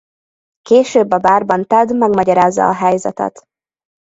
Később a bárban Ted megmagyarázza a helyzetet.